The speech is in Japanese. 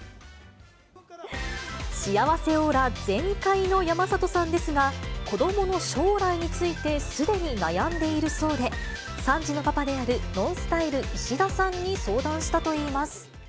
幸せオーラ全開の山里さんですが、子どもの将来についてすでに悩んでいるそうで、３児のパパであるＮＯＮＳＴＹＬＥ・石田さんに相談したといいます。